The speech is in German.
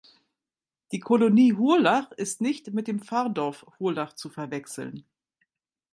Die Kolonie Hurlach ist nicht mit dem Pfarrdorf Hurlach zu verwechseln.